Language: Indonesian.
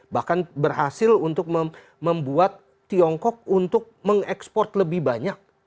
bahkan berhasil untuk membuat tiongkok untuk mengekspor lebih banyak